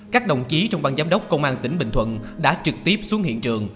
các đồng chí trong ban giám đốc công an tỉnh bình thuận đã trực tiếp xuống hiện trường